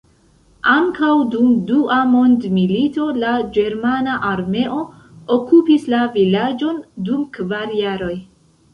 Ankaŭ dum dua mondmilito la ĝermana armeo okupis la vilaĝon dum kvar jaroj.